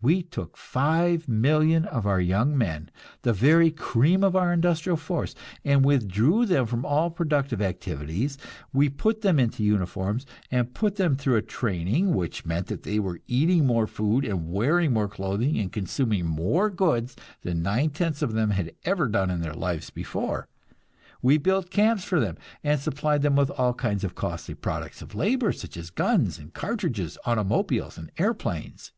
We took five million of our young men, the very cream of our industrial force, and withdrew them from all productive activities; we put them into uniforms, and put them through a training which meant that they were eating more food and wearing more clothing and consuming more goods than nine tenths of them had ever done in their lives before. We built camps for them, and supplied them with all kinds of costly products of labor, such as guns and cartridges, automobiles and airplanes.